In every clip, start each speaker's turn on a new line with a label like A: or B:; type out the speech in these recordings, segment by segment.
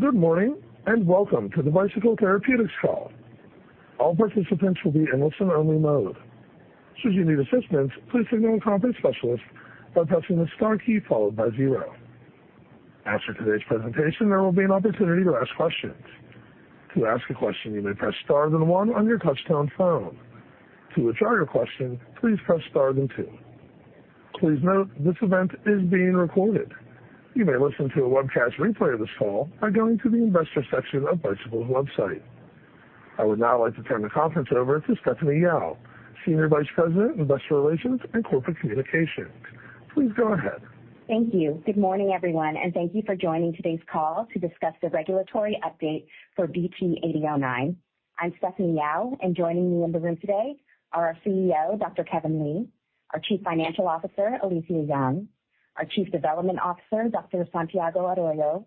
A: Good morning, and welcome to the Bicycle Therapeutics call. All participants will be in listen-only mode. Should you need assistance, please signal a conference specialist by pressing the star key followed by zero. After today's presentation, there will be an opportunity to ask questions. To ask a question, you may press star then one on your touch-tone phone. To withdraw your question, please press star then two. Please note, this event is being recorded. You may listen to a webcast replay of this call by going to the investor section of Bicycle's website. I would now like to turn the conference over to Stephanie Yao, Senior Vice President, Investor Relations and Corporate Communications. Please go ahead.
B: Thank you. Good morning, everyone, and thank you for joining today's call to discuss the regulatory update for BT8009. I'm Stephanie Yao, and joining me in the room today are our CEO, Dr. Kevin Lee; our Chief Financial Officer, Alethia Young; our Chief Development Officer, Dr. Santiago Arroyo;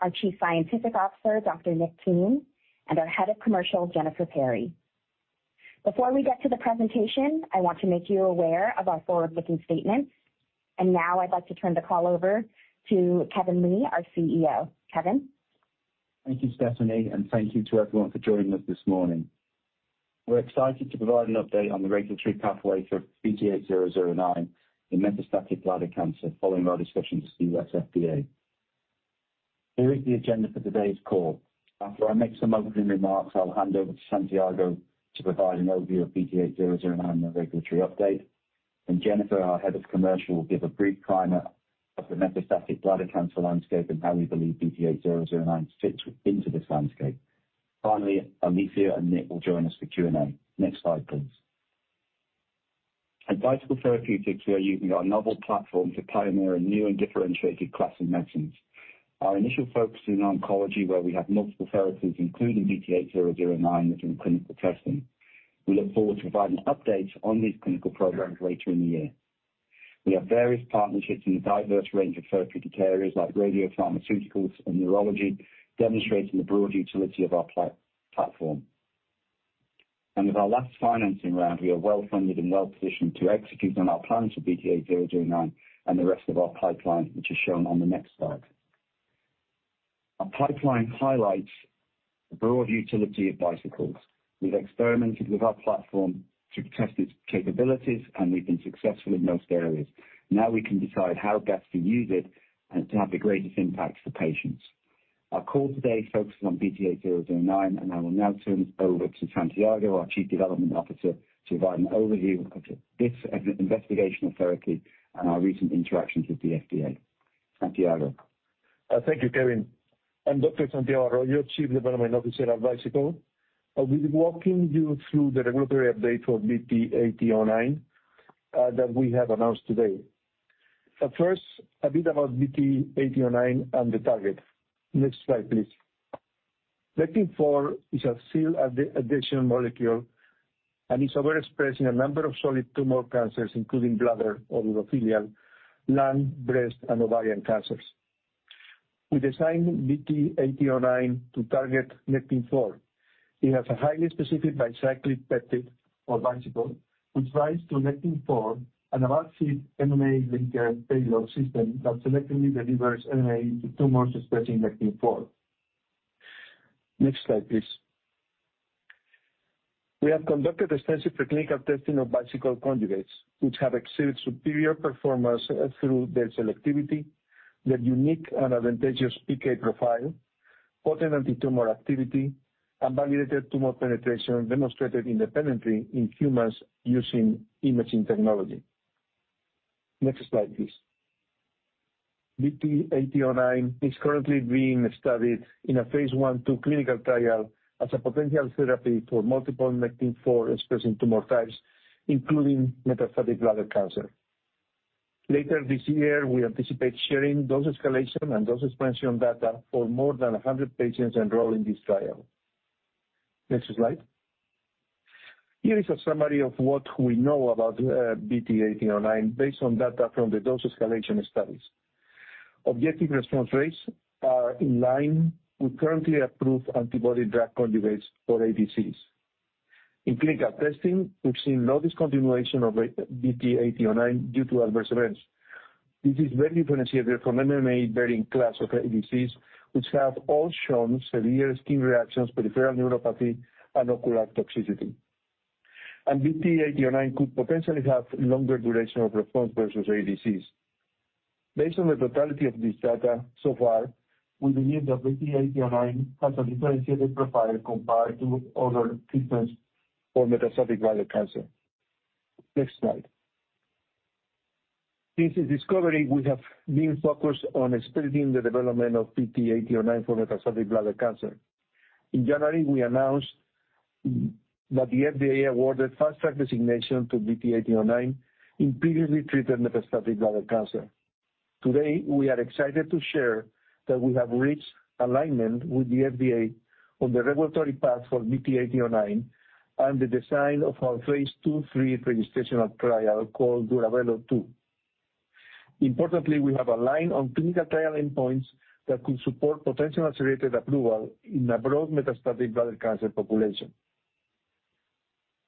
B: our Chief Scientific Officer, Dr. Nick Keen; and our Head of Commercial, Jennifer Perry. Before we get to the presentation, I want to make you aware of our forward-looking statements. Now I'd like to turn the call over to Kevin Lee, our CEO. Kevin?
C: Thank you, Stephanie, and thank you to everyone for joining us this morning. We're excited to provide an update on the regulatory pathway for BT8009 in metastatic bladder cancer, following our discussions with the U.S. FDA. Here is the agenda for today's call. After I make some opening remarks, I'll hand over to Santiago to provide an overview of BT8009 and the regulatory update. Jennifer, our Head of Commercial, will give a brief primer of the metastatic bladder cancer landscape and how we believe BT8009 fits into this landscape. Finally, Alethia and Nick will join us for Q&A. Next slide, please. At Bicycle Therapeutics, we are using our novel platform to pioneer a new and differentiated class of medicines. Our initial focus is in oncology, where we have multiple therapeutics, including BT8009, that are in clinical testing. We look forward to providing updates on these clinical programs later in the year. We have various partnerships in a diverse range of therapeutic areas like radiopharmaceuticals and neurology, demonstrating the broad utility of our platform. And with our last financing round, we are well-funded and well-positioned to execute on our plans for BT8009 and the rest of our pipeline, which is shown on the next slide. Our pipeline highlights the broad utility of Bicycles. We've experimented with our platform to test its capabilities, and we've been successful in most areas. Now we can decide how best to use it and to have the greatest impact for patients. Our call today focuses on BT8009, and I will now turn it over to Santiago, our Chief Development Officer, to provide an overview of this investigational therapy and our recent interactions with the FDA. Santiago.
D: Thank you, Kevin. I'm Dr. Santiago Arroyo, Chief Development Officer at Bicycle. I'll be walking you through the regulatory update for BT8009 that we have announced today. But first, a bit about BT8009 and the target. Next slide, please. Nectin-4 is a cell adhesion molecule, and it's overexpressed in a number of solid tumor cancers, including bladder or urothelial, lung, breast, and ovarian cancers. We designed BT8009 to target Nectin-4. It has a highly specific bicyclic peptide, or Bicycle, which binds to Nectin-4, and a RGD-MMA linker payload system that selectively delivers MMA to tumors expressing Nectin-4. Next slide, please. We have conducted extensive clinical testing of Bicycle conjugates, which have exhibited superior performance through their selectivity, their unique and advantageous PK profile, potent antitumor activity, and validated tumor penetration demonstrated independently in humans using imaging technology. Next slide, please. BT8009 is currently being studied in a phase I/II clinical trial as a potential therapy for multiple Nectin-4-expressing tumor types, including metastatic bladder cancer. Later this year, we anticipate sharing dose escalation and dose expansion data for more than 100 patients enrolled in this trial. Next slide. Here is a summary of what we know about BT8009, based on data from the dose escalation studies. Objective response rates are in line with currently approved antibody-drug conjugates for ADCs. In clinical testing, we've seen no discontinuation of BT8009 due to adverse events. This is very differentiated from MMA-bearing class of ADCs, which have all shown severe skin reactions, peripheral neuropathy, and ocular toxicity. And BT8009 could potentially have longer duration of response versus ADCs. Based on the totality of this data so far, we believe that BT8009 has a differentiated profile compared to other treatments for metastatic bladder cancer. Next slide. Since its discovery, we have been focused on expediting the development of BT8009 for metastatic bladder cancer. In January, we announced that the FDA awarded Fast Track designation to BT8009 in previously treated metastatic bladder cancer. Today, we are excited to share that we have reached alignment with the FDA on the regulatory path for BT8009 and the design of our phase II/III registration trial called DURAVELO-2. Importantly, we have aligned on clinical trial endpoints that could support potential accelerated approval in a broad metastatic bladder cancer population.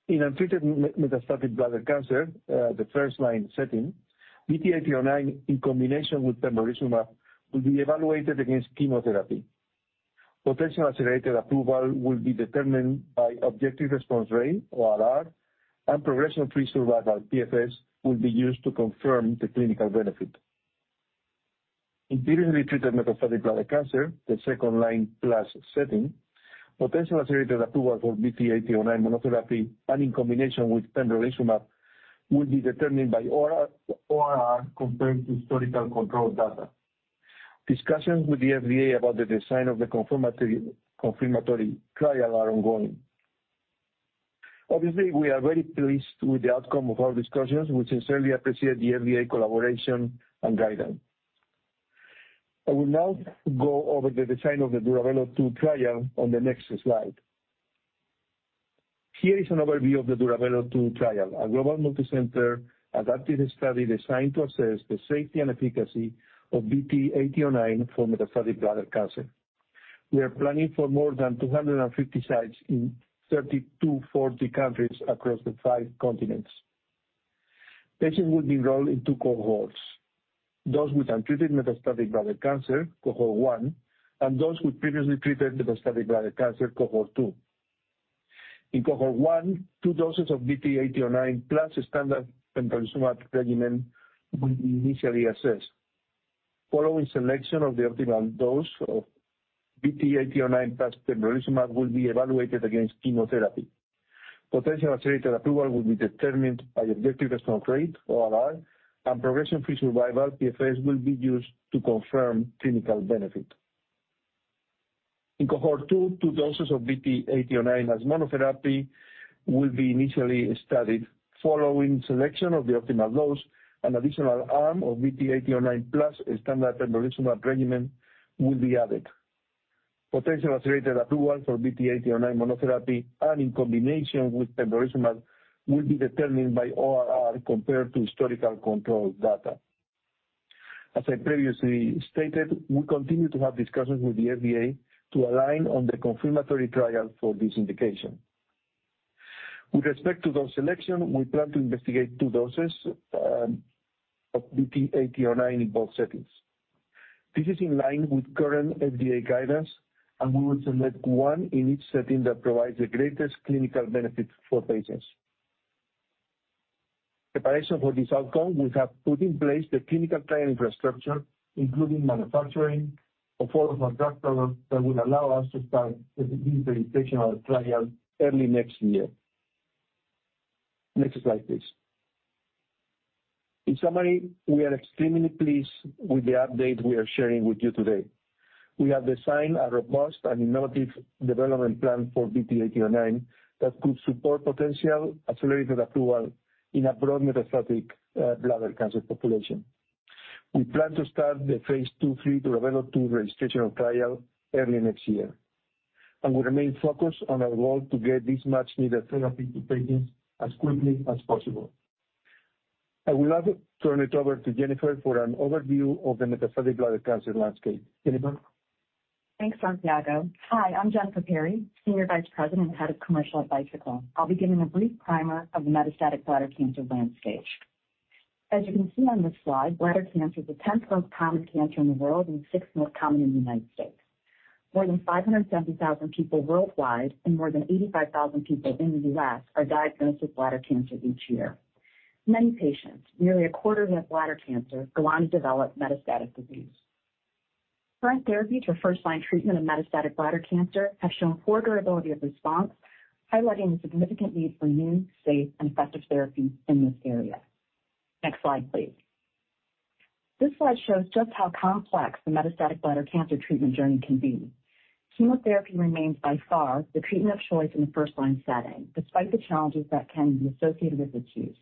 D: In untreated metastatic bladder cancer, the first-line setting, BT8009 in combination with pembrolizumab will be evaluated against chemotherapy. Potential accelerated approval will be determined by objective response rate, ORR, and progression-free survival, PFS, will be used to confirm the clinical benefit. In previously treated metastatic bladder cancer, the second-line plus setting, potential accelerated approval for BT8009 monotherapy and in combination with pembrolizumab will be determined by ORR, ORR compared to historical control data. Discussions with the FDA about the design of the confirmatory trial are ongoing. Obviously, we are very pleased with the outcome of our discussions. We sincerely appreciate the FDA collaboration and guidance. I will now go over the design of the DURAVELO-2 trial on the next slide. Here is an overview of the DURAVELO-2 trial, a global multicenter adaptive study designed to assess the safety and efficacy of BT8009 for metastatic bladder cancer. We are planning for more than 250 sites in 30 to 40 countries across the five continents. Patients will be enrolled in two cohorts, those with untreated metastatic bladder cancer, cohort one, and those with previously treated metastatic bladder cancer, cohort two. In cohort one, two doses of BT8009 plus a standard pembrolizumab regimen will be initially assessed. Following selection of the optimal dose, BT8009 plus pembrolizumab will be evaluated against chemotherapy. Potential accelerated approval will be determined by objective response rate, ORR, and progression-free survival. PFS will be used to confirm clinical benefit. In cohort two, two doses of BT8009 as monotherapy will be initially studied. Following selection of the optimal dose, an additional arm of BT8009 plus a standard pembrolizumab regimen will be added. Potential accelerated approval for BT8009 monotherapy, and in combination with pembrolizumab, will be determined by ORR compared to historical control data. As I previously stated, we continue to have discussions with the FDA to align on the confirmatory trial for this indication. With respect to dose selection, we plan to investigate two doses of BT809 in both settings. This is in line with current FDA guidance, and we will select one in each setting that provides the greatest clinical benefit for patients. Preparation for this outcome, we have put in place the clinical trial infrastructure, including manufacturing of all of our drug products, that will allow us to start the key presentation of the trial early next year. Next slide, please. In summary, we are extremely pleased with the update we are sharing with you today. We have designed a robust and innovative development plan for BT809 that could support potential accelerated approval in a broad metastatic bladder cancer population. We plan to start the phase II/III DURAVELO-2 registration trial early next year, and we remain focused on our goal to get this much-needed therapy to patients as quickly as possible. I will now turn it over to Jennifer for an overview of the metastatic bladder cancer landscape. Jennifer?
E: Thanks, Santiago. Hi, I'm Jennifer Perry, Senior Vice President and Head of Commercial at Bicycle. I'll be giving a brief primer of the metastatic bladder cancer landscape. As you can see on this slide, bladder cancer is the 10th most common cancer in the world and 6th most common in the United States. More than 570,000 people worldwide and more than 85,000 people in the U.S. are diagnosed with bladder cancer each year. Many patients, nearly a quarter with bladder cancer, go on to develop metastatic disease. Current therapies for first-line treatment of metastatic bladder cancer have shown poor durability of response, highlighting the significant need for new, safe, and effective therapies in this area. Next slide, please. This slide shows just how complex the metastatic bladder cancer treatment journey can be. Chemotherapy remains by far the treatment of choice in the first-line setting, despite the challenges that can be associated with its use.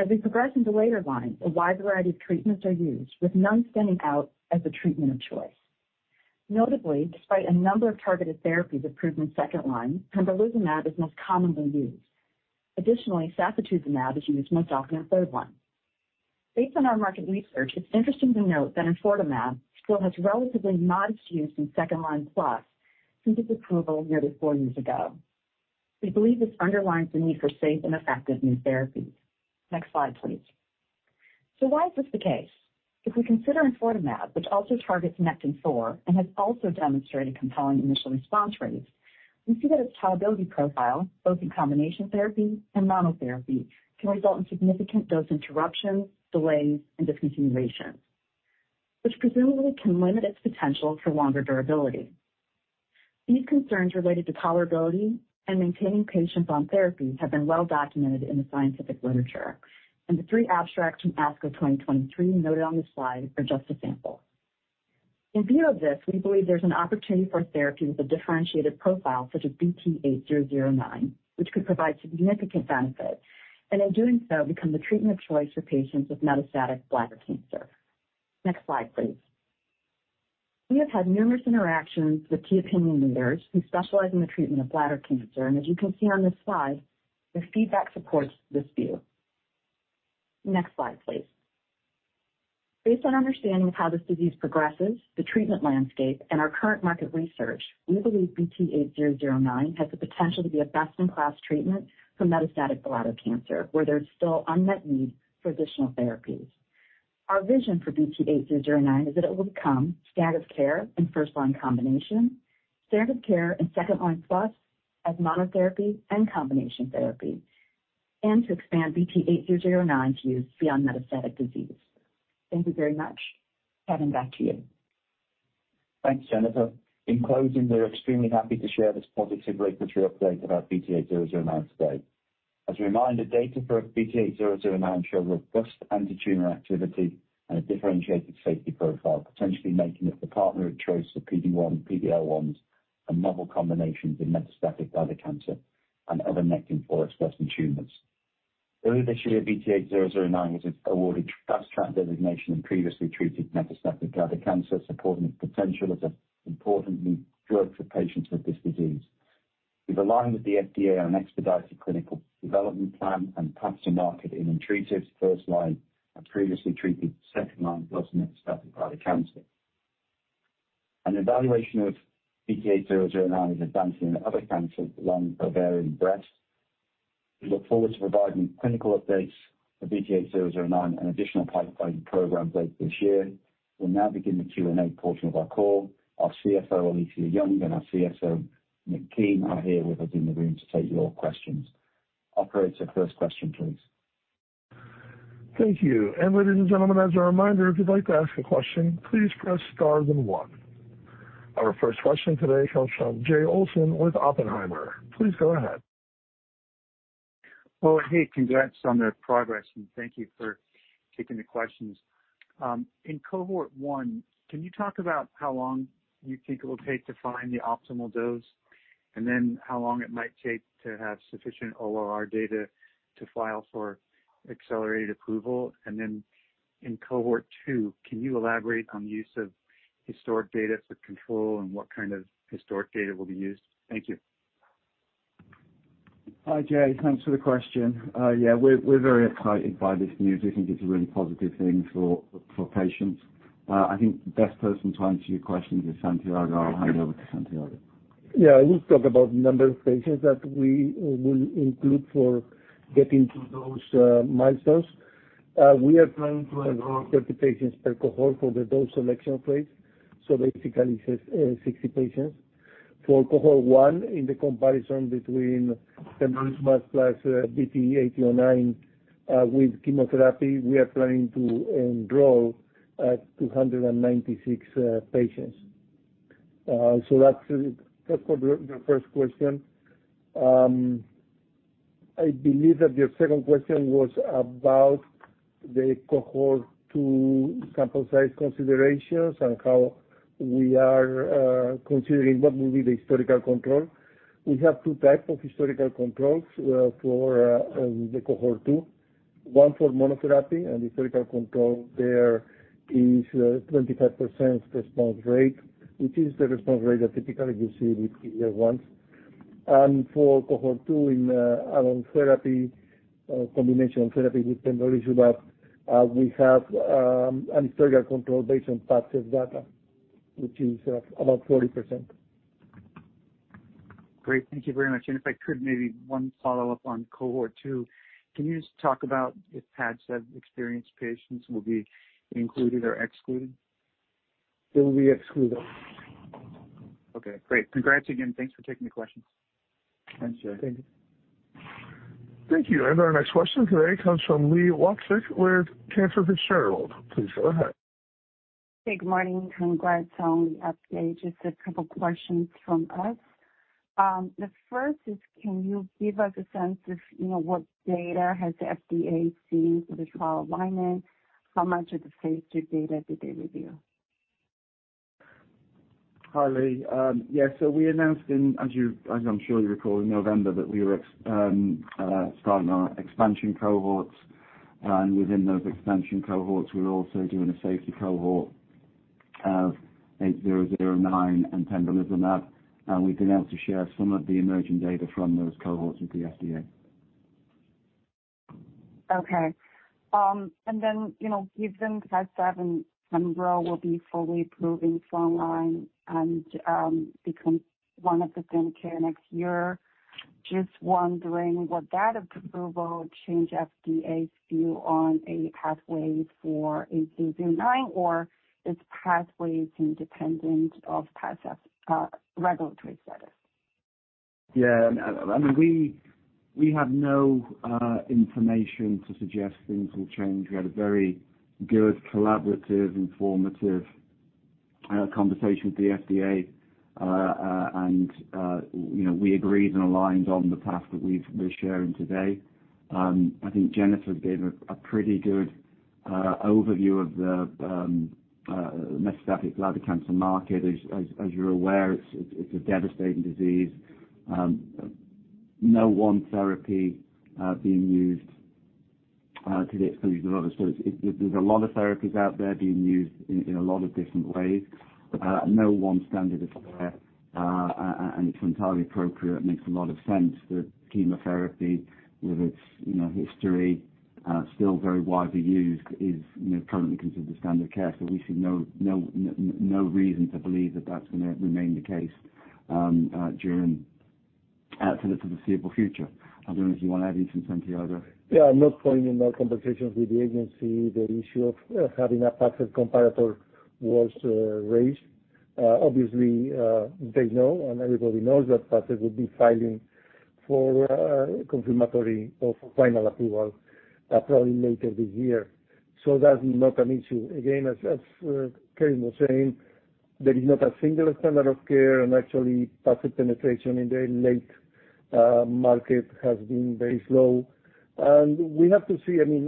E: As we progress into later line, a wide variety of treatments are used, with none standing out as the treatment of choice. Notably, despite a number of targeted therapies approved in second line, Pembrolizumab is most commonly used. Additionally, Sacituzumab is used most often in third line. Based on our market research, it's interesting to note that Enfortumab still has relatively modest use in second line plus since its approval nearly four years ago. We believe this underlines the need for safe and effective new therapies. Next slide, please. So why is this the case? If we consider Enfortumab, which also targets nectin-4 and has also demonstrated compelling initial response rates, we see that its tolerability profile, both in combination therapy and monotherapy, can result in significant dose interruptions, delays, and discontinuation, which presumably can limit its potential for longer durability. These concerns related to tolerability and maintaining patients on therapy have been well documented in the scientific literature, and the three abstracts from ASCO 2023 noted on this slide are just a sample. In view of this, we believe there's an opportunity for a therapy with a differentiated profile, such as BT8009, which could provide significant benefit, and in doing so, become the treatment of choice for patients with metastatic bladder cancer. Next slide, please. We have had numerous interactions with key opinion leaders who specialize in the treatment of bladder cancer, and as you can see on this slide, their feedback supports this view. Next slide, please. Based on our understanding of how this disease progresses, the treatment landscape, and our current market research, we believe BT8009 has the potential to be a best-in-class treatment for metastatic bladder cancer, where there's still unmet need for additional therapies. Our vision for BT8009 is that it will become standard of care in first-line combination, standard of care in second-line plus as monotherapy and combination therapy, and to expand BT8009 to use beyond metastatic disease. Thank you very much. Kevin, back to you.
C: Thanks, Jennifer. In closing, we're extremely happy to share this positive regulatory update about BT8009 today. As a reminder, data for BT8009 show robust anti-tumor activity and a differentiated safety profile, potentially making it the partner of choice for PD-1, PD-L1s, and novel combinations in metastatic bladder cancer and other Nectin-4-expressing tumors. Earlier this year, BT8009 was awarded Fast Track designation in previously treated metastatic bladder cancer, supporting its potential as an important new drug for patients with this disease. We've aligned with the FDA on expedited clinical development plan and path to market in untreated first-line and previously treated second-line plus metastatic bladder cancer. An evaluation of BT8009 is advancing in other cancers, lung, ovarian, breast. We look forward to providing clinical updates for BT8009 and additional pipeline programs later this year. We'll now begin the Q&A portion of our call. Our CFO, Alethia Young, and our CSO, Nick Keen, are here with us in the room to take your questions. Operator, first question, please.
A: Thank you. Ladies and gentlemen, as a reminder, if you'd like to ask a question, please press star then one. Our first question today comes from Jay Olsen with Oppenheimer. Please go ahead.
F: Well, hey, congrats on the progress, and thank you for taking the questions. In cohort one, can you talk about how long you think it will take to find the optimal dose, and then how long it might take to have sufficient ORR data to file for accelerated approval? And then in cohort two, can you elaborate on the use of historic data for control and what kind of historic data will be used? Thank you.
C: Hi, Jay. Thanks for the question. Yeah, we're very excited by this news. We think it's a really positive thing for patients. I think the best person to answer your question is Santiago. I'll hand it over to Santiago.
D: Yeah, I will talk about the number of patients that we will include for getting to those milestones. We are planning to enroll 30 patients per cohort for the dose selection phase, so basically 60 patients. For Cohort 1, in the comparison between pembrolizumab plus BT8009 with chemotherapy, we are planning to draw 296 patients. So that's for the first question. I believe that your second question was about the Cohort 2 sample size considerations and how we are considering what will be the historical control. We have two types of historical controls for the Cohort 2. One for monotherapy and historical control there is 25% response rate, which is the response rate that typically you see with previous ones. For cohort 2, in combination therapy with Pembrolizumab, we have an historical control based on past test data, which is about 40%.
F: Great. Thank you very much. And if I could, maybe one follow-up on cohort 2. Can you just talk about if Padcev experienced patients will be included or excluded?
D: They will be excluded.
F: Okay, great. Congrats again, thanks for taking the questions.
D: Thanks, Jay.
C: Thank you.
A: Thank you, and our next question today comes from Li Watsek with Cantor Fitzgerald. Please go ahead.
G: Hey, good morning, and congrats on the update. Just a couple questions from us. The first is, can you give us a sense of, you know, what data has the FDA seen for the trial alignment? How much of the phase II data did they review?
C: Hi, Li. Yes, so we announced in, as you as I'm sure you recall, in November, that we were starting our expansion cohorts. And within those expansion cohorts, we're also doing a safety cohort of 8009 and Pembrolizumab, and we've been able to share some of the emerging data from those cohorts with the FDA.
G: Okay. And then, you know, given that EV and pembro will be fully approved in front line and become one of the standard care next year, just wondering, would that approval change FDA's view on a pathway for BT8009, or its pathways independent of Padcev regulatory status?
C: Yeah, I mean, we have no information to suggest things will change. We had a very good, collaborative, informative conversation with the FDA. And you know, we agreed and aligned on the path that we're sharing today. I think Jennifer gave a pretty good overview of the metastatic bladder cancer market. As you're aware, it's a devastating disease. No one therapy being used to the exclusion of others. There's a lot of therapies out there being used in a lot of different ways. No one standard of care, and it's entirely appropriate. It makes a lot of sense that chemotherapy, with its you know, history still very widely used, is you know, currently considered the standard of care. So we see no reason to believe that that's gonna remain the case during to the foreseeable future. I don't know if you wanna add anything, Santiago?
D: Yeah, I'm not putting in our conversations with the agency. The issue of having a Padcev comparator was raised. Obviously, they know, and everybody knows that Padcev will be filing for confirmatory of final approval probably later this year. So that's not an issue. Again, as Kevin was saying, there is not a single standard of care, and actually, Padcev penetration in the late market has been very slow. And we have to see, I mean,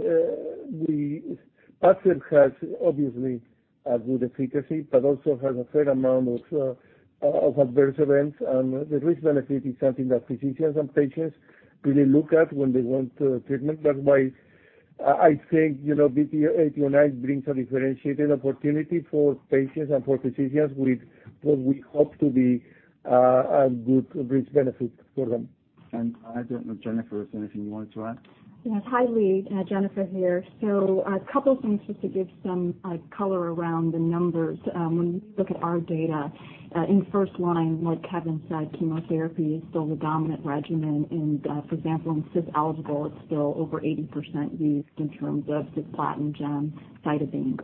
D: the Padcev has obviously a good efficacy, but also has a fair amount of of adverse events. And the risk benefit is something that physicians and patients really look at when they want treatment. That's why I think, you know, BT819 brings a differentiated opportunity for patients and for physicians with what we hope to be a good risk benefit for them.
C: I don't know if Jennifer has anything you wanted to add.
E: Yes. Hi, Li, Jennifer here. So a couple things just to give some, like, color around the numbers. When you look at our data, in first-line, like Kevin said, chemotherapy is still the dominant regimen, and, for example, in cisplatin-eligible, it's still over 80% used in terms of cisplatin gemcitabine.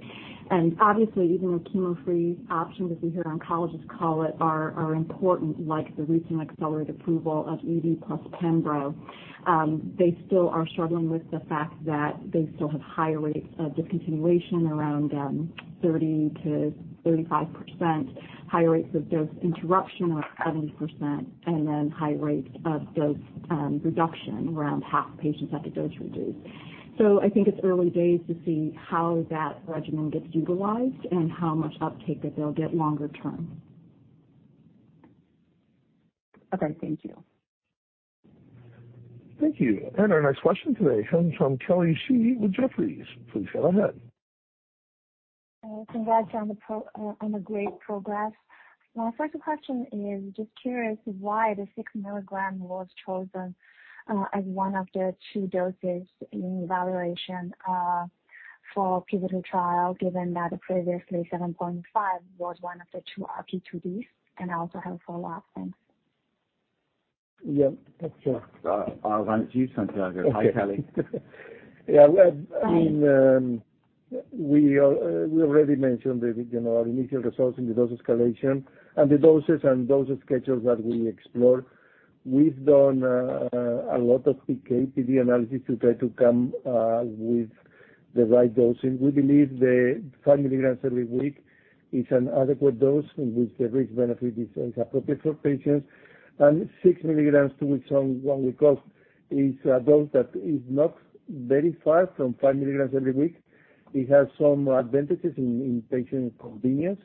E: And obviously, even with chemo-free options, as we hear oncologists call it, are important, like the recent accelerated approval of EV plus pembro. They still are struggling with the fact that they still have high rates of discontinuation, around, 30% to 35%, high rates of dose interruption, around 70%, and then high rates of dose, reduction, around half patients have the dose reduced. So I think it's early days to see how that regimen gets utilized and how much uptake that they'll get longer term.
G: Okay, thank you.
A: Thank you. And our next question today comes from Kelly Shi with Jefferies. Please go ahead.
H: Congrats on the great progress. My first question is, just curious why the 6 milligrams was chosen, as one of the two doses in evaluation, for pivotal trial, given that previously 7.5 was one of the two RP2Ds? And I also have follow-up. Thanks.
D: Yeah, sure.
C: I'll run it to you, Santiago.
D: Okay.
C: Hi, Kelly.
H: Hi.
D: Yeah, I mean, we already mentioned the, you know, our initial results in the dose escalation and the doses and dosage schedules that we explored. We've done a lot of PK/PD analysis to try to come with the right dosing. We believe the 5 milligrams every week is an adequate dose in which the risk-benefit is, is appropriate for patients. And 6 milligrams two weeks on, one week off, is a dose that is not very far from 5 milligrams every week. It has some advantages in patient convenience,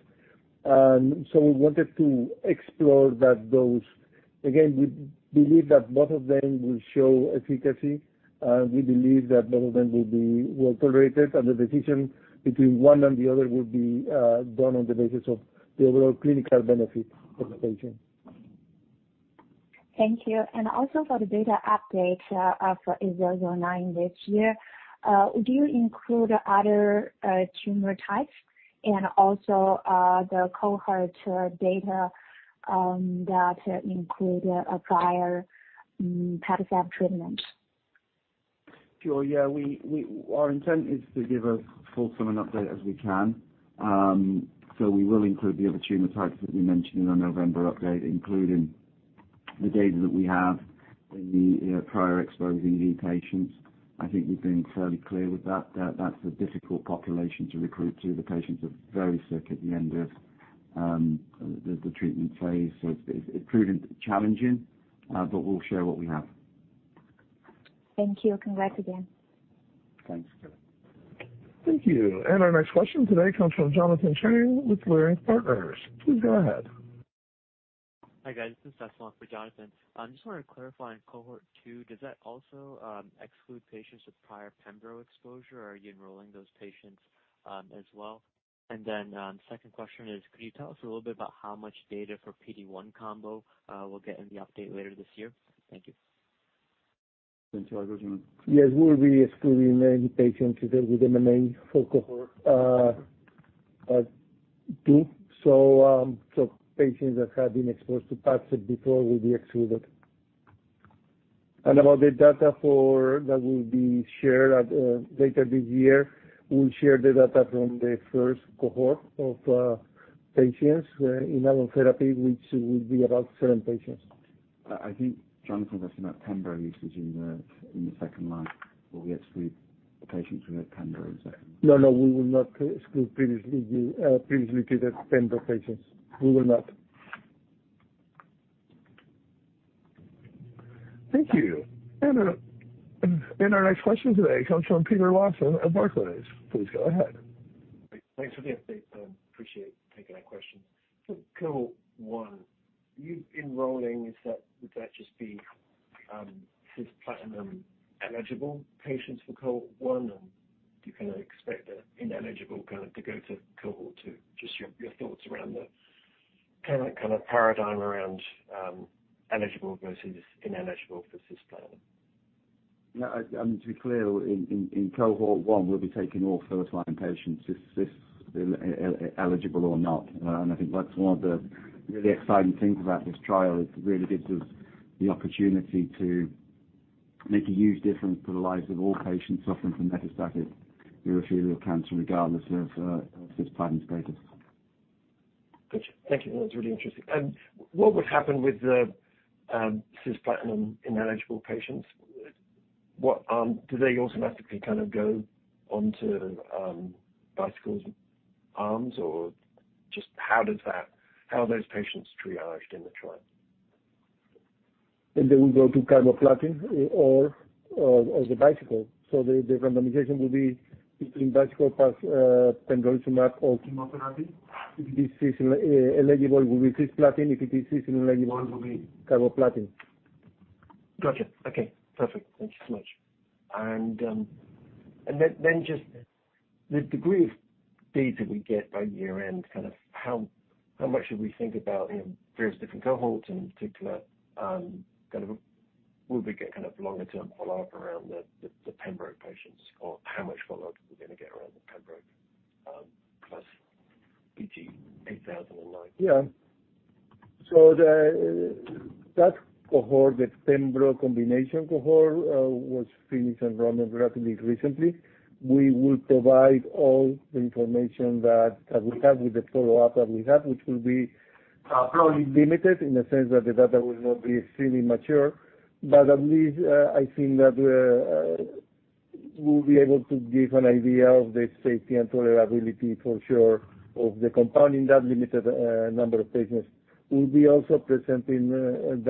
D: and so we wanted to explore that dose. Again, we believe that both of them will show efficacy, and we believe that both of them will be well tolerated, and the decision between one and the other will be done on the basis of the overall clinical benefit for the patient.
H: Thank you. Also for the data update of BT8009 this year, do you include other tumor types and also the cohort data that include a prior Padcev treatment?
C: Sure. Yeah, our intent is to give as full of an update as we can. So we will include the other tumor types that we mentioned in our November update, including the data that we have in the prior exposed EV patients. I think we've been fairly clear with that, that that's a difficult population to recruit to. The patients are very sick at the end of the treatment phase, so it's proven challenging, but we'll share what we have.
H: Thank you. Congrats again.
C: Thanks, Kelly.
A: Thank you. Our next question today comes from Jonathan Chang with Leerink Partners. Please go ahead.
I: Hi, guys. This is Jonathan. I just wanted to clarify in cohort two, does that also exclude patients with prior pembro exposure, or are you enrolling those patients as well? And then, second question is, could you tell us a little bit about how much data for PD-1 combo we'll get in the update later this year? Thank you.
C: Santiago, do you want to-
D: Yes, we'll be excluding any patients with MMAE for cohort 2. So, patients that have been exposed to Padcev before will be excluded. About the data for that will be shared at later this year, we'll share the data from the first cohort of patients in our therapy, which will be about seven patients.
C: I think Jonathan was asking about pembro usage in the second line. Will we exclude the patients who had pembro in second?
D: No, no, we will not exclude previously, previously treated pembro patients. We will not.
A: Thank you. And, and our next question today comes from Peter Lawson at Barclays. Please go ahead.
J: Thanks for the update. Appreciate taking my questions. So Cohort 1, you enrolling, is that, would that just be, cisplatin-eligible patients for Cohort 1? You kind of expect the ineligible kind of to go to Cohort 2. Just your thoughts around the kind of paradigm around eligible versus ineligible for cisplatin.
C: No, I mean, to be clear, in Cohort 1, we'll be taking all first-line patients, cisplatin-eligible or not. And I think that's one of the really exciting things about this trial is it really gives us the opportunity to make a huge difference to the lives of all patients suffering from metastatic urothelial cancer, regardless of cisplatin status.
K: Gotcha. Thank you. That's really interesting. And what would happen with the cisplatin-ineligible patients? What do they automatically kind of go onto Bicycle's arms, or just how does that- how are those patients triaged in the trial?
D: Then they will go to Carboplatin, or the Bicycle. So the randomization will be between Bicycle plus Pembrolizumab or Gemcitabine. If it is Cisplatin eligible, it will be Cisplatin. If it is Cisplatin-ineligible, it will be Carboplatin.
K: Gotcha. Okay, perfect. Thank you so much. And then just the degree of data we get by year-end, kind of how much should we think about in various different cohorts, and in particular, kind of will we get kind of longer-term follow-up around the pembro patients, or how much follow-up are we gonna get around the pembro plus BT8009?
D: Yeah. So the, that cohort, the pembro combination cohort, was finished and run relatively recently. We will provide all the information that we have with the follow-up that we have, which will be, probably limited in the sense that the data will not be extremely mature. But at least, I think that, we'll be able to give an idea of the safety and tolerability for sure of the compound in that limited, number of patients. We'll also be presenting the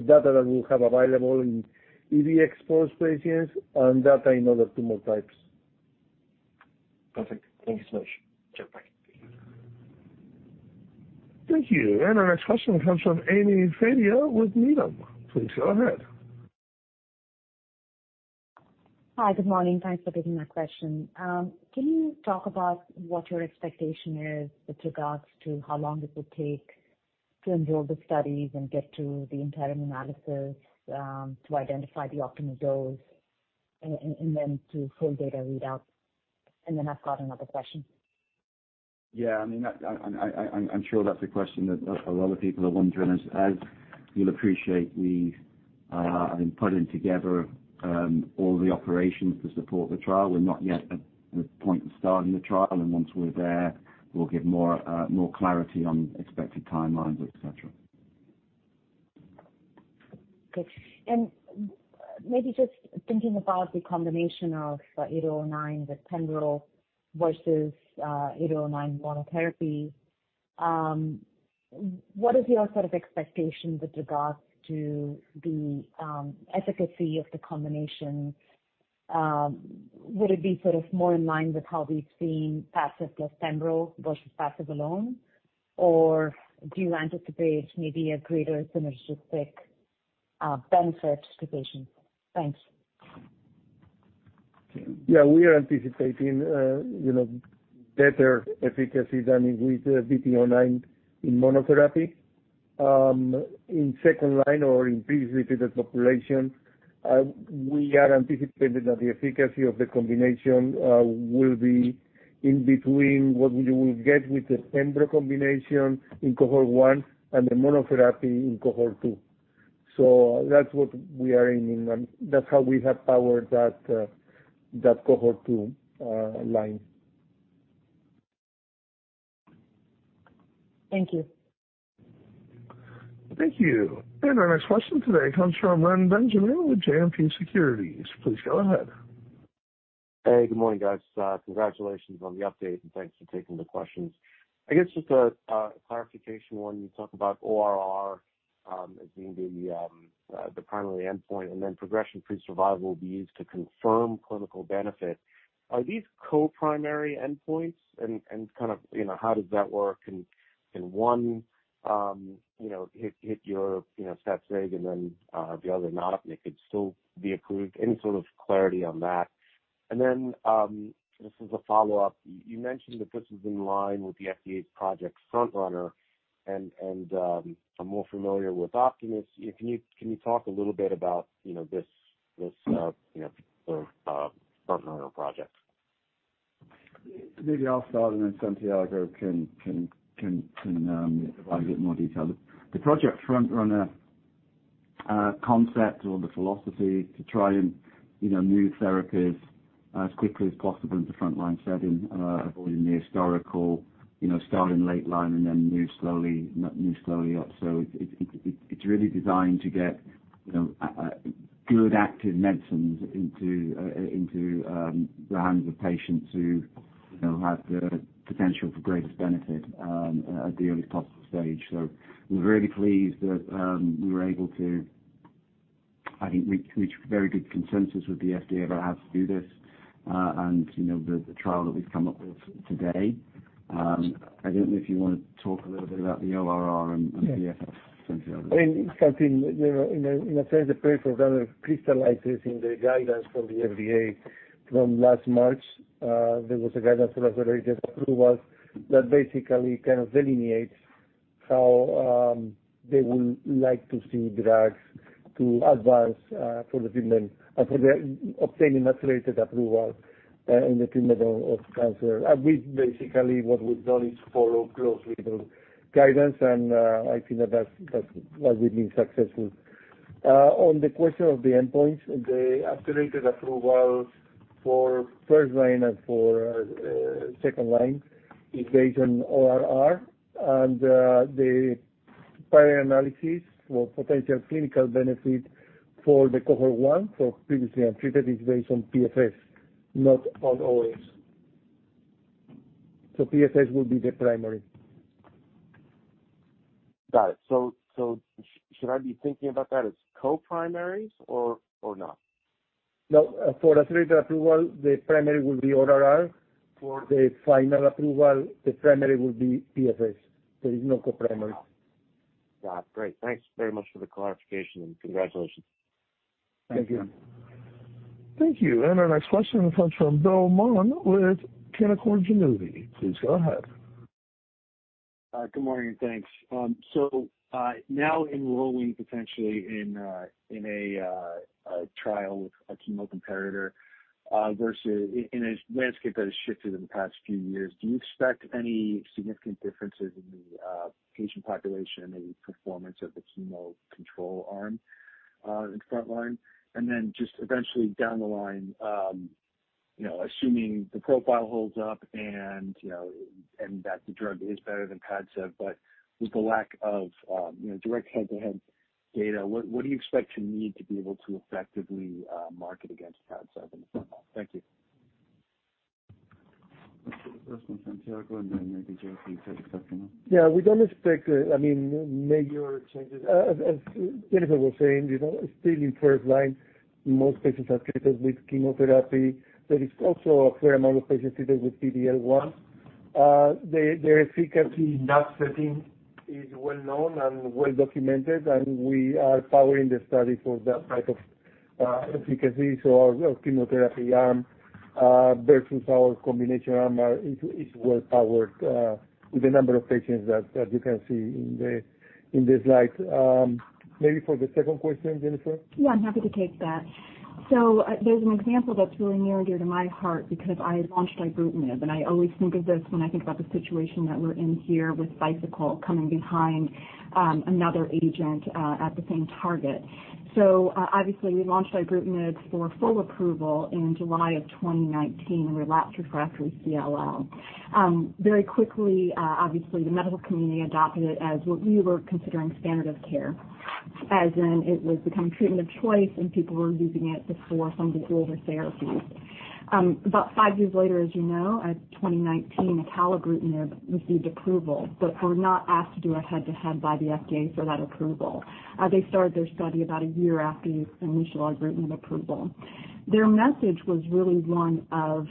D: data that we have available in EV-exposed patients and data in other tumor types.
K: Perfect. Thank you so much. Sure, bye.
A: Thank you. Our next question comes from Ami Fadia with Needham. Please go ahead.
L: Hi, good morning. Thanks for taking my question. Can you talk about what your expectation is with regards to how long it will take to enroll the studies and get to the interim analysis, to identify the optimal dose, and then to full data readout? And then I've got another question.
C: Yeah, I mean, I'm sure that's a question that a lot of people are wondering. As you'll appreciate, we've been putting together all the operations to support the trial. We're not yet at the point of starting the trial, and once we're there, we'll give more clarity on expected timelines, et cetera.
L: Good. And maybe just thinking about the combination of the BT8009, the pembro versus BT8009 monotherapy, what is your sort of expectation with regards to the efficacy of the combination? Would it be sort of more in line with how we've seen Padcev plus pembro versus Padcev alone? Or do you anticipate maybe a greater synergistic benefit to patients? Thanks.
D: Yeah, we are anticipating, you know, better efficacy than with BT8009 in monotherapy. In second-line or in pre-treated population, we are anticipating that the efficacy of the combination will be in between what we will get with the pembro combination in Cohort 1 and the monotherapy in Cohort 2. So that's what we are aiming, and that's how we have powered that Cohort 2 line.
L: Thank you.
A: Thank you. Our next question today comes from Ren Benjamin with JMP Securities. Please go ahead.
K: Hey, good morning, guys. Congratulations on the update, and thanks for taking the questions. I guess just a clarification one. You talk about ORR as being the primary endpoint, and then progression-free survival will be used to confirm clinical benefit. Are these co-primary endpoints? And kind of, you know, how does that work? And one you know hit your stat sig, and then the other not, and it could still be approved. Any sort of clarity on that? And then this is a follow-up. You mentioned that this is in line with the FDA's Project Frontrunner, and I'm more familiar with Optimus. Can you talk a little bit about, you know, this Frontrunner project?
C: Maybe I'll start, and then Santiago can provide a bit more detail. The Project Frontrunner concept or the philosophy to try and, you know, move therapies as quickly as possible into frontline setting, avoiding the historical, you know, starting late line and then move slowly up. So it's really designed to get, you know, good active medicines into the hands of patients who, you know, have the potential for greatest benefit at the earliest possible stage. So we're really pleased that we were able to, I think, reach very good consensus with the FDA about how to do this, and, you know, the trial that we've come up with today. I don't know if you wanna talk a little bit about the ORR and the PFS, Santiago?
D: I mean, something, you know, in a sense, the proof, or rather, crystallizes in the guidance from the FDA from last March. There was a guidance for accelerated approval that basically kind of delineates how they would like to see drugs to advance for the treatment and for the obtaining accelerated approval in the treatment of cancer. And we basically, what we've done is follow closely the guidance, and I think that that's why we've been successful. On the question of the endpoints, the accelerated approval for first line and for second line is based on ORR. And the prior analysis for potential clinical benefit for the cohort one, so previously untreated, is based on PFS, not on OS. So PFS will be the primary.
K: Got it. So, should I be thinking about that as co-primaries or not?
D: No, for accelerated approval, the primary will be ORR. For the final approval, the primary will be PFS. There is no co-primary.
K: Got it. Great. Thanks very much for the clarification, and congratulations.
D: Thank you.
A: Thank you. Our next question comes from Bill Maughan with Canaccord Genuity. Please go ahead.
M: Good morning, and thanks. So, now enrolling potentially in a trial with a chemo comparator versus in a landscape that has shifted in the past few years, do you expect any significant differences in the patient population and the performance of the chemo control arm in frontline? And then just eventually down the line, you know, assuming the profile holds up and, you know, and that the drug is better than Padcev, but with the lack of, you know, direct head-to-head data, what do you expect to need to be able to effectively market against Padcev in the frontline? Thank you.
C: First one, Santiago, and then maybe Jennifer, you take the second one.
D: Yeah, we don't expect, I mean, major changes. As Jennifer was saying, you know, still in first line, most patients are treated with chemotherapy. There is also a fair amount of patients treated with PD-L1. The efficacy in that setting is well known and well documented, and we are powering the study for that type of efficacy. So our chemotherapy arm versus our combination arm is well powered with the number of patients that you can see in the slide. Maybe for the second question, Jennifer?
E: Yeah, I'm happy to take that. So, there's an example that's really near and dear to my heart because I launched ibrutinib, and I always think of this when I think about the situation that we're in here with Bicycle coming behind, another agent, at the same target. So, obviously, we launched ibrutinib for full approval in July 2019, relapsed/refractory CLL. Very quickly, obviously, the medical community adopted it as what we were considering standard of care, as in it was becoming treatment of choice, and people were using it before some of the older therapies. About five years later, as you know, 2019, acalabrutinib received approval, but were not asked to do a head-to-head by the FDA for that approval. They started their study about a year after the initial ibrutinib approval. Their message was really one of,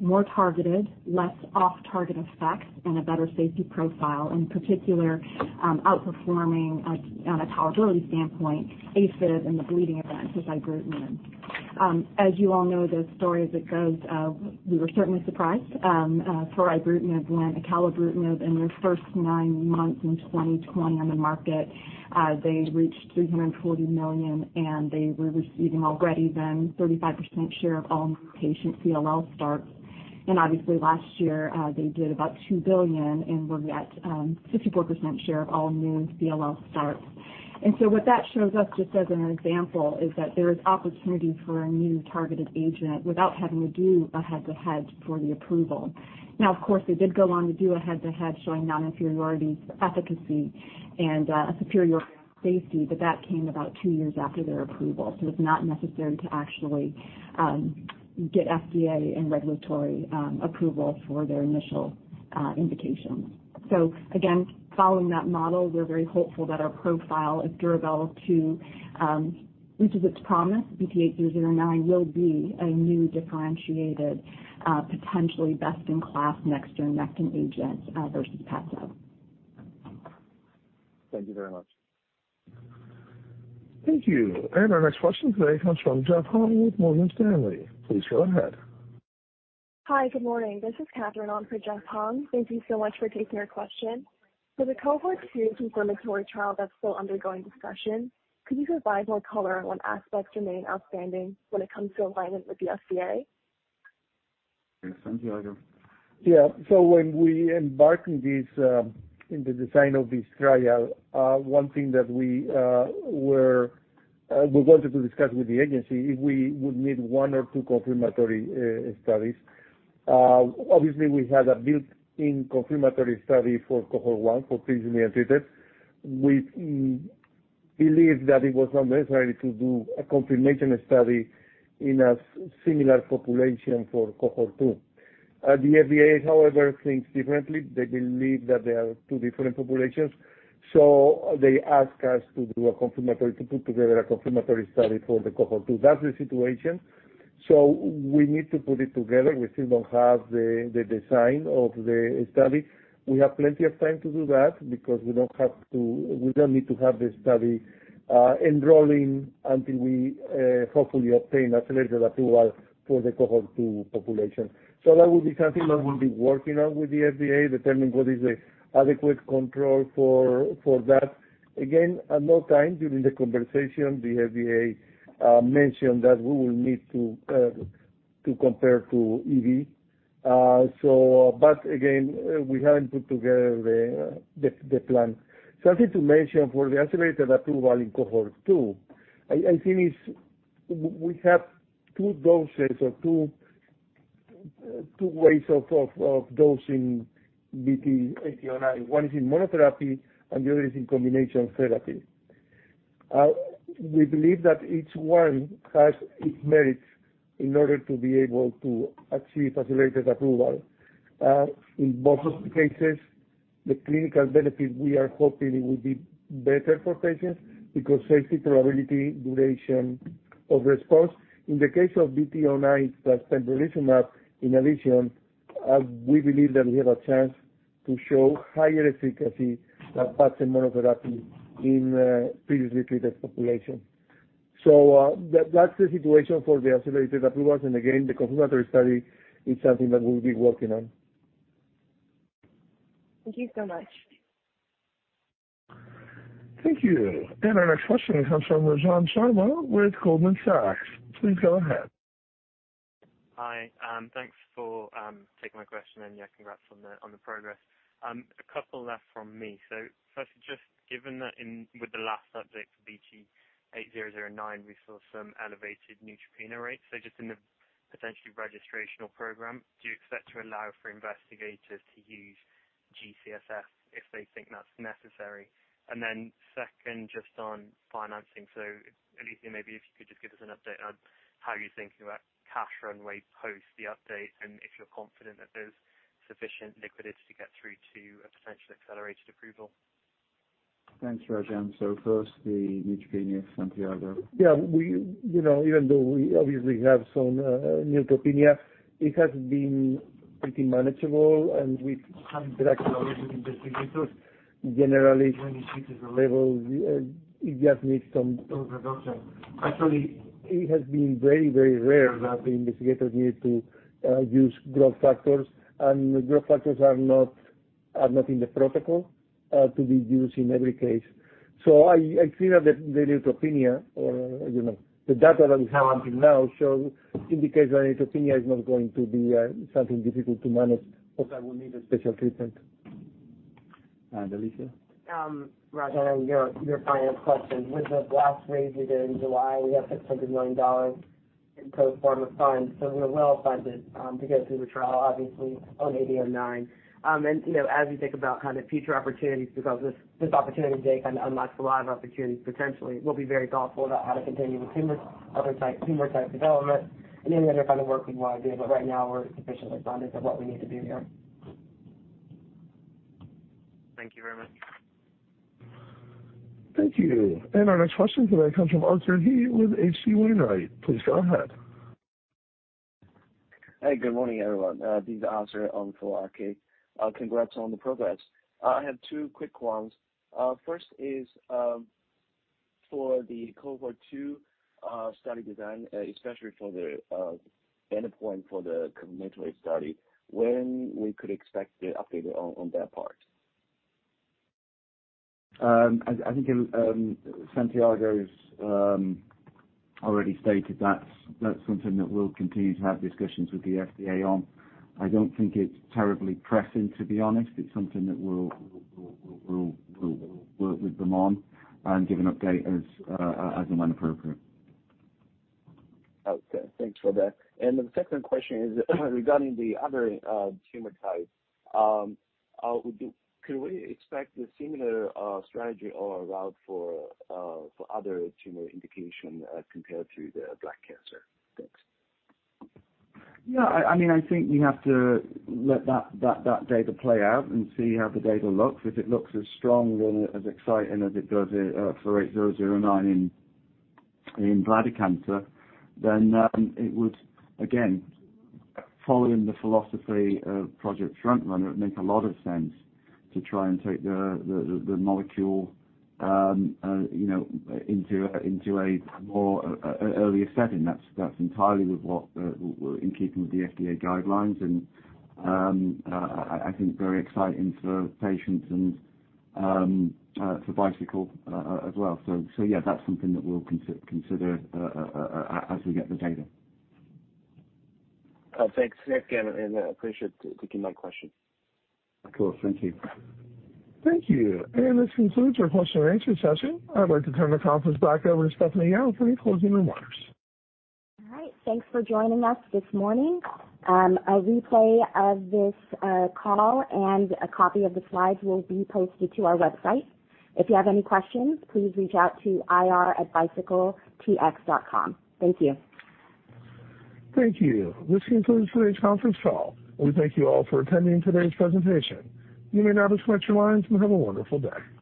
E: more targeted, less off-target effects and a better safety profile, in particular, outperforming, on a tolerability standpoint, Acalabrutinib and the bleeding events with Ibrutinib. As you all know, the story as it goes, we were certainly surprised. For Ibrutinib, when Acalabrutinib, in their first nine months in 2020 on the market, they reached $340 million, and they were receiving already then 35% share of all new patient CLL starts. Obviously, last year, they did about $2 billion and were at 54% share of all new CLL starts. So what that shows us, just as an example, is that there is opportunity for a new targeted agent without having to do a head-to-head for the approval. Now, of course, they did go on to do a head-to-head, showing non-inferiority efficacy and a superior safety, but that came about two years after their approval. So it's not necessary to actually get FDA and regulatory approval for their initial indication. So again, following that model, we're very hopeful that our profile of DURAVELO-2 into its promise, BT8009, will be a new differentiated potentially best-in-class Nectin-targeted agent versus Padcev.
M: Thank you very much.
N: Thank you. Our next question today comes from Jeff Hung with Morgan Stanley. Please go ahead. Hi, good morning. This is Catherine on for Jeff Hung. Thank you so much for taking our question. For the cohort two confirmatory trial that's still undergoing discussion, could you provide more color on what aspects remain outstanding when it comes to alignment with the FDA?
C: Yes, Santiago.
D: Yeah. So when we embarked in this, in the design of this trial, one thing that we were, we wanted to discuss with the agency, if we would need one or two confirmatory studies. Obviously, we had a built-in confirmatory study for cohort one for previously untreated. We believed that it was not necessary to do a confirmation study in a similar population for cohort 2. The FDA, however, thinks differently. They believe that they are two different populations, so they ask us to do a confirmatory study for cohort two. That's the situation. So we need to put it together. We still don't have the design of the study. We have plenty of time to do that because we don't have to. We don't need to have the study enrolling until we hopefully obtain accelerated approval for the cohort 2 population. So that will be something that we'll be working on with the FDA, determining what is the adequate control for that. Again, at no time during the conversation, the FDA mentioned that we will need to compare to EV. So but again, we haven't put together the plan. Something to mention, for the accelerated approval in cohort 2, I think it's we have two doses or two ways of dosing BT8009. One is in monotherapy, and the other is in combination therapy. We believe that each one has its merits in order to be able to achieve accelerated approval. In both of the cases, the clinical benefit, we are hoping it will be better for patients because safety, durability, duration of response. In the case of BT8009 plus Pembrolizumab, in addition, we believe that we have a chance to show higher efficacy than perhaps in monotherapy in previously treated population. So, that's the situation for the accelerated approval, and again, the confirmatory study is something that we'll be working on.
C: Thank you so much.
A: Thank you. Our next question comes from Rajan Sharma with Goldman Sachs. Please go ahead.
O: Hi, thanks for taking my question, and yeah, congrats on the progress. A couple left from me. So first, just given that with the last subject for BT8009, we saw some elevated neutropenia rates. So just in the potentially registrational program, do you expect to allow for investigators to use GCSF if they think that's necessary? And then second, just on financing. So Alethia, maybe if you could just give us an update on how you're thinking about cash runway post the update, and if you're confident that there's sufficient liquidity to get through to a potential accelerated approval.
C: Thanks, Rajan. So first, the Neutropenia, Santiago.
D: Yeah, we, you know, even though we obviously have some Neutropenia, it has been pretty manageable, and we've had direct knowledge with investigators. Generally, when it reaches a level, it just needs some reduction. Actually, it has been very, very rare that the investigators need to use growth factors, and growth factors are not in the protocol to be used in every case. So I think that the neutropenia or, you know, the data that we have until now show, indicates that neutropenia is not going to be something difficult to manage, or that will need a special treatment.
C: And Alethia?
P: Rajan, your, your finance question. With the last raise we did in July, we have $600 million in pro forma funds, so we are well funded to get through the trial, obviously, on BT8009. And, you know, as we think about kind of future opportunities, because this, this opportunity today kind of unlocks a lot of opportunities, potentially, we'll be very thoughtful about how to continue with tumor, other type, tumor-type development and any other kind of work we want to do. But right now, we're sufficiently funded for what we need to do here.
O: Thank you very much.
A: Thank you. Our next question today comes from Arthur He with H.C. Wainwright. Please go ahead.
Q: Hi, good morning, everyone. This is Arthur Ong for RK. Congrats on the progress. I have two quick ones. First is for the cohort 2 study design, especially for the endpoint for the committed study, when we could expect the update on that part?
C: I think Santiago's already stated that's something that we'll continue to have discussions with the FDA on. I don't think it's terribly pressing, to be honest. It's something that we'll work with them on and give an update as and when appropriate.
Q: Okay, thanks for that. The second question is regarding the other tumor types. Can we expect the similar strategy or route for other tumor indication compared to the bladder cancer? Thanks.
C: Yeah, I mean, I think you have to let that data play out and see how the data looks. If it looks as strong and as exciting as it does for 8009 in bladder cancer, then it would, again, following the philosophy of Project Frontrunner, make a lot of sense to try and take the molecule, you know, into a more earlier setting. That's entirely in keeping with the FDA guidelines, and I think very exciting for patients and for Bicycle as well. So yeah, that's something that we'll consider as we get the data.
Q: Thanks again, and I appreciate you taking my question.
C: Cool. Thank you.
A: Thank you. This concludes our Q&A session. I'd like to turn the conference back over to Stephanie Yao for any closing remarks.
B: All right. Thanks for joining us this morning. A replay of this call and a copy of the slides will be posted to our website. If you have any questions, please reach out to ir@bicycletx.com. Thank you.
A: Thank you. This concludes today's conference call. We thank you all for attending today's presentation. You may now disconnect your lines and have a wonderful day.